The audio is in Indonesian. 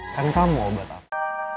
kan kamu obat aku